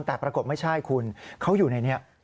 แต่ปรากฏไม่ใช่คุณเขาอยู่ในนี้